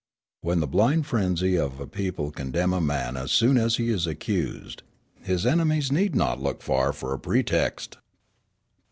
When the blind frenzy of a people condemn a man as soon as he is accused, his enemies need not look far for a pretext!"